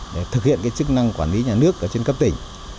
để thực hiện chức năng quản lý nhà nước ở trên cấp tỉnh